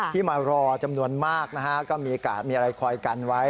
ที่มารอจำนวนมากนะฮะก็มีกาดมีอะไรคอยกันไว้